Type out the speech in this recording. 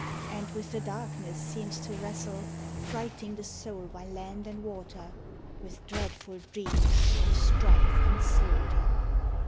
And with the darkness seems to wrestle, Frighting the soul by land and water With dreadful dreams of strife and slaughter.